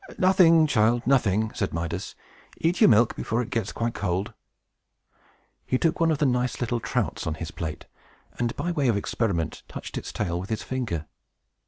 "Nothing, child, nothing!" said Midas. "Eat your milk, before it gets quite cold." He took one of the nice little trouts on his plate, and, by way of experiment, touched its tail with his finger.